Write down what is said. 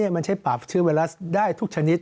มันใช้ปราบเชื้อไวรัสได้ทุกชนิด